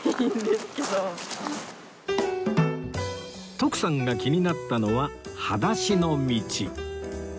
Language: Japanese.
徳さんが気になったのははだしの道